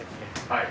はい。